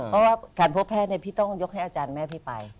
เพราะว่าการพบแพทย์พี่ต้องยกให้อาจารย์แม่พี่ไป